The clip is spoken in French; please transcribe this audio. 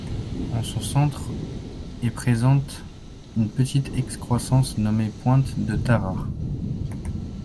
En son centre, est présente une petite excroissance nommée pointe de Tahara'a.